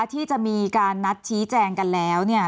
ที่จะมีการนัดชี้แจงกันแล้ว